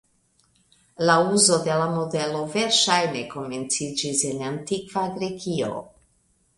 La uzo de la modelo verŝajne komenciĝis en antikva Grekio.